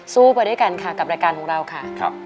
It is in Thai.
ไปด้วยกันค่ะกับรายการของเราค่ะ